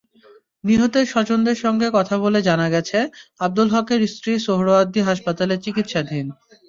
নিহতের স্বজনদের সঙ্গে কথা বলে জানা গেছে, আবদুল হকের স্ত্রী সোহরাওয়ার্দী হাসপাতালে চিকিৎসাধীন।